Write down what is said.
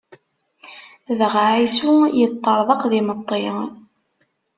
Dɣa Ɛisu yeṭṭerḍeq d imeṭṭi.